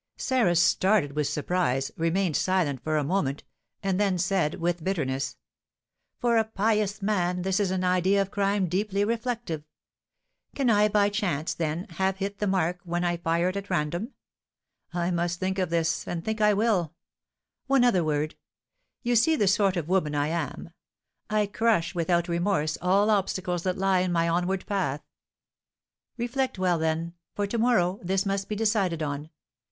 Sarah started with surprise, remained silent for a moment, and then said, with bitterness: "For a pious man, this is an idea of crime deeply reflective! Can I by chance, then, have hit the mark when I fired at random? I must think of this, and think I will. One other word. You see the sort of woman I am: I crush without remorse all obstacles that lie in my onward path. Reflect well, then, for to morrow this must be decided on.